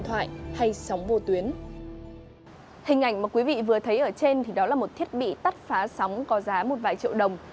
hình ảnh mà quý vị vừa thấy ở trên thì đó là một thiết bị tắt phá sóng có giá một vài triệu đồng